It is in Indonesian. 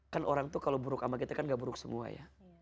kan orang tuh kalau buruk sama kita kan gak buruk semua ya